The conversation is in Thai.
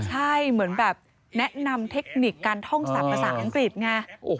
ใช่เหมือนแบบแนะนำเทคนิคการท่องสัตว์ภาษาอังกฤษไง